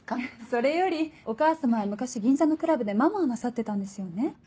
それよりお母様は昔銀座のクラブでママをなさってたんですよね？